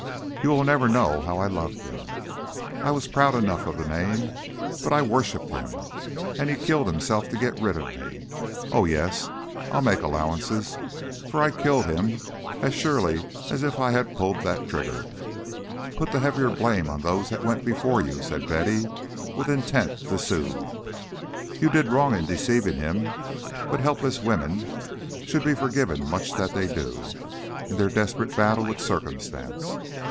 "You will never know how I loved him. I was proud enough of the name, but I worshipped him; and he killed himself to get rid of me! Oh, yes, I'll make allowances, for I killed him as surely as if I had pulled that trigger " "Put the heavier blame on those that went before you," said Betty, with intent to soothe. "You did wrong in deceiving him, but helpless women should be forgiven much that they do, in their desperate battle with Circumstance.